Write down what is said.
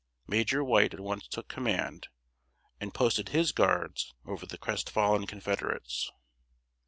Major White at once took command, and posted his guards over the crestfallen Confederates.